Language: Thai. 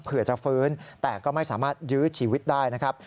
จะฟื้นแต่ก็ไม่สามารถยื้อชีวิตได้นะครับ